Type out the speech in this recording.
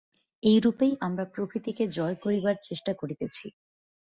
এইরূপেই আমরা প্রকৃতিকে জয় করিবার চেষ্টা করিতেছি।